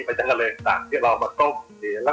มันจากที่เรามา